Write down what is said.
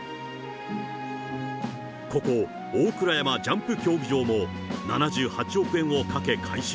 ここ、大倉山ジャンプ競技場も、７８億円をかけ、改修。